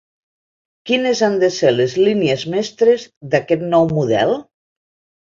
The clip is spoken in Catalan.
Quines han de ser les línies mestres d’aquest nou model?